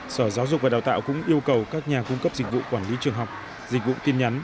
sở giáo dục và đào tạo cũng yêu cầu các nhà cung cấp dịch vụ quản lý trường học dịch vụ tin nhắn